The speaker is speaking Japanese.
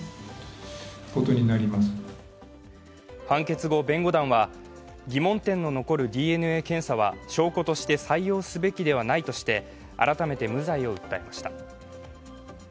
判決後、弁護団は疑問点の残るＤＮＡ検査は証拠として採用すべきではないとして、改めて無罪を訴えました。